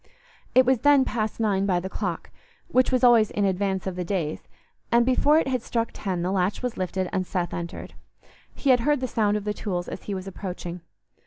It was then past nine by the clock, which was always in advance of the days, and before it had struck ten the latch was lifted and Seth entered. He had heard the sound of the tools as he was approaching.